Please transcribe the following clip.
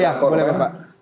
ya boleh pak